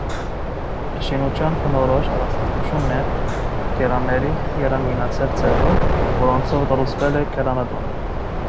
Շինության բնորոշ առանձնահատկությունն է գերանների եռանկյունաձև ձևը, որոնցով կառուցվել է գերանատունը։